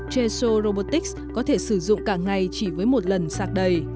tresor robotics có thể sử dụng cả ngày chỉ với một lần sạc đẩy